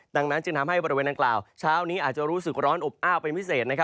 ดังนั้นจึงทำให้บริเวณดังกล่าวเช้านี้อาจจะรู้สึกร้อนอบอ้าวเป็นพิเศษ